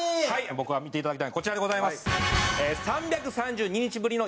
僕が見ていただきたいのはこちらでございます！